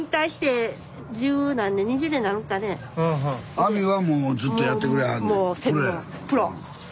網はもうずっとやってくれはんねや。